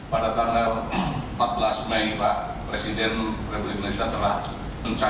pada tanggal empat belas mei pak presiden republik indonesia telah mencari